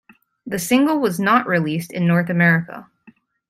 The single was not released in North America.